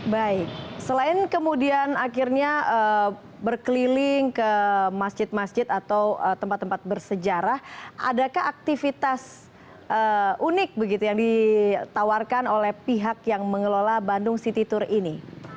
baik selain kemudian akhirnya berkeliling ke masjid masjid atau tempat tempat bersejarah adakah aktivitas unik begitu yang ditawarkan oleh pihak yang mengelola bandung city tour ini